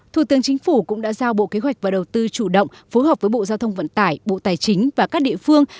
thủ tướng chính phủ cũng đã giao bộ kế hoạch và đầu tư chủ động phối hợp với bộ giao thông vận tải bộ tài chính và các địa phương